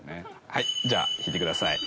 はいじゃあ引いてください。